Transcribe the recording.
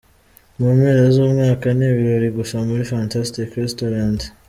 Mu mpera z’umwaka ni ibirori gusa muri Fantastic Restaurant.